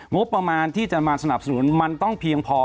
งบประมาณที่จะมาสนับสนุนมันต้องเพียงพอ